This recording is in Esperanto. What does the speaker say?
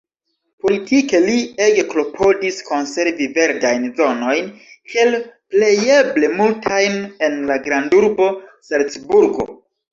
Politike li ege klopodis konservi verdajn zonojn kiel plejeble multajn en la grandurbo Salcburgo.